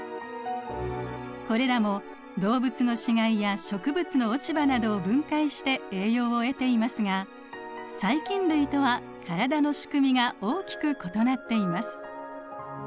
これらも動物の死骸や植物の落ち葉などを分解して栄養を得ていますが細菌類とは体の仕組みが大きく異なっています。